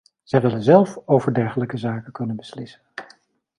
Zij willen zelf over dergelijke zaken kunnen beslissen.